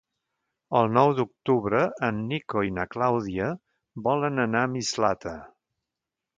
El nou d'octubre en Nico i na Clàudia volen anar a Mislata.